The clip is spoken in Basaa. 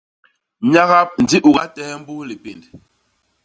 Nyagap ndi u gatehe mbus lipénd.